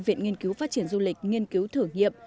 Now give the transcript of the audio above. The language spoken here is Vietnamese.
viện nghiên cứu phát triển du lịch nghiên cứu thử nghiệm